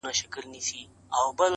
سیاه پوسي ده، مرگ خو یې زوی دی,